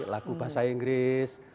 lagu bahasa inggris